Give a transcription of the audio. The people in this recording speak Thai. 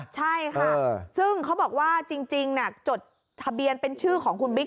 ใช่ค่ะซึ่งเขาบอกว่าจริงจดทะเบียนเป็นชื่อของคุณบิ๊ก